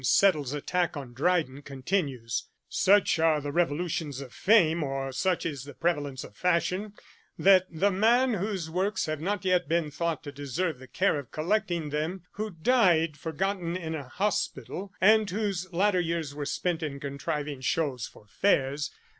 277): 'Such are the revolutions of fame, or such is the prevalence of fashion, that the man whose works have not yet been thought to deserve the care of collecting them, who died forgotten in an hospital, and whose latter years were spent in contriving shows for fairs